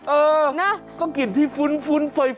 เออนะก็กลิ่นที่ฟุ้นเฟย์